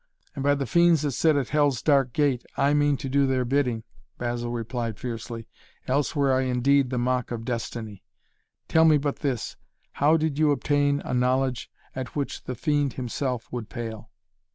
"And by the fiends that sit at Hell's dark gate, I mean to do their bidding," Basil replied fiercely. "Else were I indeed the mock of destiny. Tell me but this how did you obtain a knowledge at which the fiend himself would pale?"